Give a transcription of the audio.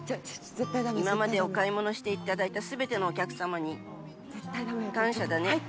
今までお買い物していただいたすべてのお客様に感謝だね。